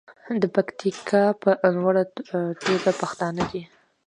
د پکتیکا په لوړه توګه پښتانه دي.